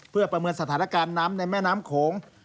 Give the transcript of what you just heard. เพื่อประเมินสถานการณ์น้ำในแม่น้ำโขง